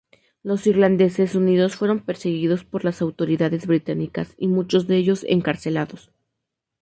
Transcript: Los Irlandeses Unidos fueron perseguidos por las autoridades británicas y muchos de ellos encarcelados.